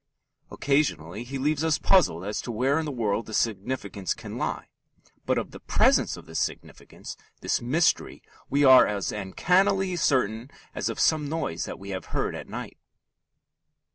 Occasionally he leaves us puzzled as to where in the world the significance can lie. But of the presence of this significance, this mystery, we are as uncannily certain as of some noise that we have heard at night.